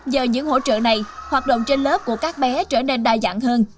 do những hỗ trợ này hoạt động trên lớp của các bé trở nên đa dạng hơn